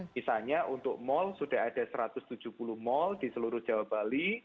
misalnya untuk mal sudah ada satu ratus tujuh puluh mal di seluruh jawa bali